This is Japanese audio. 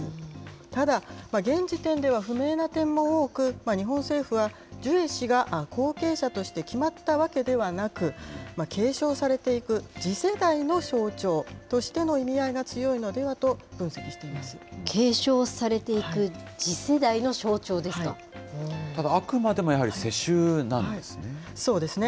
ただ、現時点では不明な点も多く、日本政府は、ジュエ氏が後継者として決まったわけではなく、継承されていく次世代の象徴としての意味合いが強いのではと分析継承されていく次世代の象徴ただ、あくまでもやはり、世そうですね。